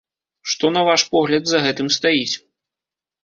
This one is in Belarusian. Што, на ваш погляд, за гэтым стаіць?